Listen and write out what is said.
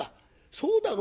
そうだろ？